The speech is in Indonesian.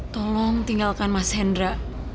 tolong tinggalkan mas hendra